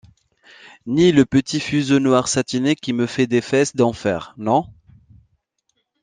Ni le petit fuseau noir satiné qui me fait des fesses d’enfer, non.